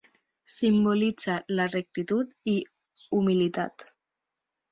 Simbolitza la rectitud i humilitat.